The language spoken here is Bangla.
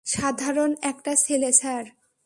সাধারণ একটা ছেলে, স্যার।